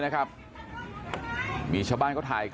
สวัสดีครับคุณผู้ชาย